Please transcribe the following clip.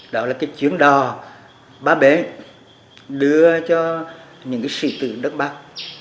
đó là cái chuyến đò bá bế đưa cho những cái sĩ tử đất bắc